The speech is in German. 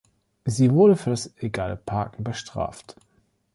Sie wurde für das illegale Parken bestraft.